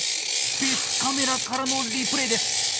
別カメラからのリプレーです。